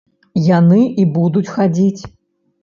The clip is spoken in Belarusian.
Яны і будуць хадзіць.